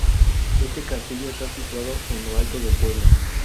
Este castillo está situado en lo alto del pueblo.